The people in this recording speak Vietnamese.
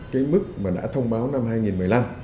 cái mức mà đã thông báo năm hai nghìn một mươi năm